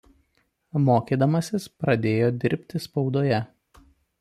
Mokydamasis pradėjo dirbti spaudoje.